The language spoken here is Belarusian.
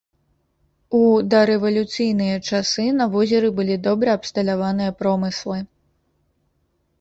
У дарэвалюцыйныя часы на возеры былі добра абсталяваныя промыслы.